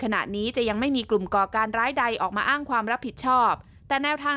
ขณะนี้จะยังไม่มีกลุ่มก่อการร้ายใดออกมาอ้างความรับผิดชอบแต่แนวทาง